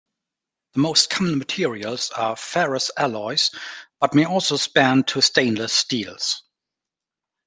The most common materials are ferrous alloys but may also span to stainless steels.